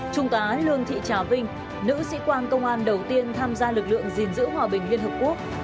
trung tá lương thị trà vinh nữ sĩ quan công an đầu tiên tham gia lực lượng gìn giữ hòa bình liên hợp quốc